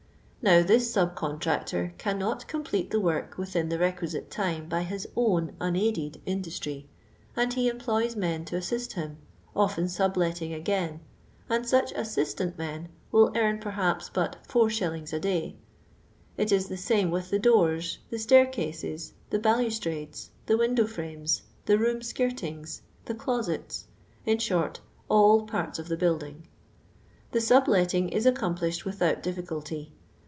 Now this sub contractor cannot complete the work within the requisite time by his own unaided industry, and he employs men to assist him, often subletting <igain, and such assistant men will earn perhaps but 4;. a day. It is the same with the doors, tho staircases, the balustrades, the window fmnitf?, tho room skirt ings, the cloBPts ; in short, all parts of tlie buildinj. The subleiiin;r is accomplished without TiiHi culty.